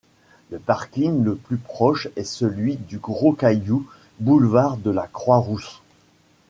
Le parking le plus proche est celui du Gros Caillou, boulevard de la Croix-Rousse.